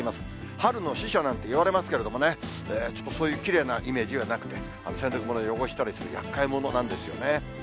春の使者なんていわれますけれどもね、ちょっとそういうきれいなイメージはなくて、洗濯物汚したりする厄介者なんですよね。